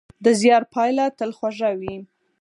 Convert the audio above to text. د زیار پایله تل خوږه وي.